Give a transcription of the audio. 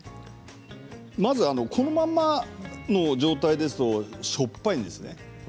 まず、このままの状態ですとしょっぱいんですね。